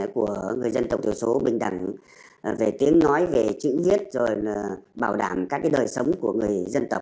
của người dân tộc thiểu số bình đẳng về tiếng nói về chữ viết rồi bảo đảm các đời sống của người dân tộc